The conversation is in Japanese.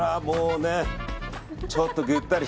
ちょっとぐったり。